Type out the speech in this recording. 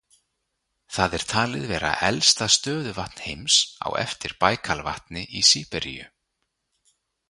Það er talið vera elsta stöðuvatn heims á eftir Bajkalvatni í Síberíu.